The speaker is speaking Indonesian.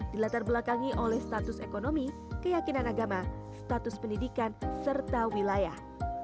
dilatar belakangi oleh status ekonomi keyakinan agama status pendidikan serta wilayah